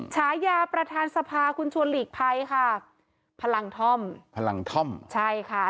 ฉายาประธานสภาคุณชวนหลีกภัยค่ะพลังท่อมพลังท่อมใช่ค่ะ